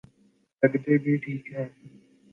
لگتے بھی ٹھیک ہیں۔